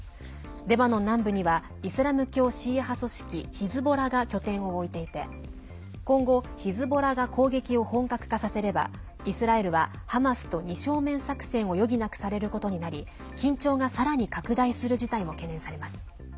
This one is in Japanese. レバノン南部にはイスラム教シーア派組織ヒズボラが拠点を置いていて今後、ヒズボラが攻撃を本格化させればイスラエルはハマスと二正面作戦を余儀なくされることになり緊張が、さらに拡大する事態も懸念されます。